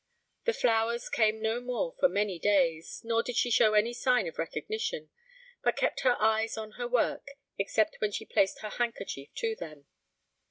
The flowers came no more for many days, nor did she show any sign of recognition, but kept her eyes on her work, except when she placed her handkerchief to them.